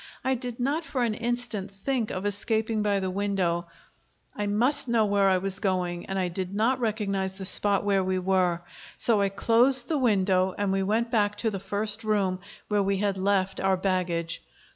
I did not for an instant think of escaping by the window; I must know where I was going, and I did not recognize the spot where we were. So I closed the window, and we went back to the first room, where we had left our baggage.